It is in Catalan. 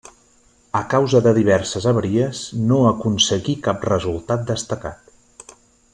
A causa de diverses avaries no aconseguí cap resultat destacat.